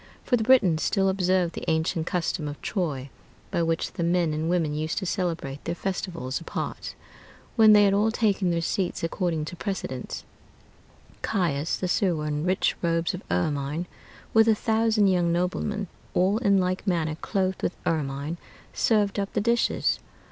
For the Britons still observed the ancient custom of Troy, by which the men and women used to celebrate their festivals apart. When they had all taken their seats according to precedence, Caius, the sewer, in rich robes of ermine, with a thousand young noblemen, all in like manner clothed with ermine, served up the dishes.